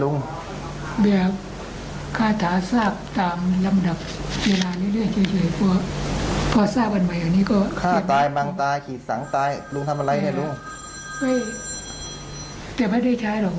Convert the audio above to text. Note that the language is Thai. แบบแบบระดาษทราบแบบนั้นแบบนี้เพื่อความปลอดภัยอันนี้ลุงเขียนเองหรือเปล่า